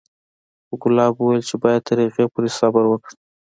خو ګلاب وويل چې بايد تر هغې پورې صبر وکړم.